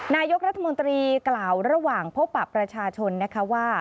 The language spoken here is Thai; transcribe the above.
นายกรัฐมนตรีกล่าวระหว่างพบประชาชนนะคะว่า